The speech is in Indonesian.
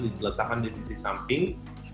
diletakkan di sisi samping